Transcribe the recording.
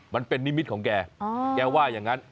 มันเป็นนิมิตของแกแกว่าอย่างนั้น